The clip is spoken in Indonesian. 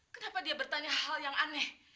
kenapa dia bertanya hal yang aneh